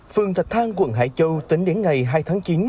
phường thạch thang quận hải châu tính đến ngày hai tháng chín